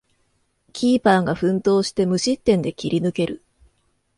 キーパーが奮闘して無失点で切り抜ける